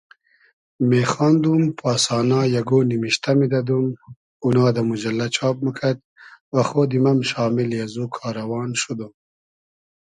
میخاندوم پاسانا یئگۉ نیمیشتۂ میدئدوم اونا دۂ موجئللۂ چاب موکئد وخۉدیم ام شامیلی از او کاروان شودوم